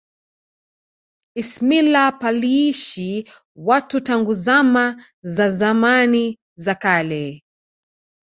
ismila paliishi watu tangu zama za zamani za kale